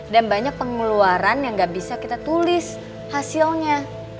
dan banyak pengeluaran yang gak bisa kita tulis hasilnya